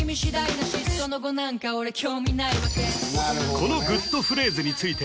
このグッとフレーズについて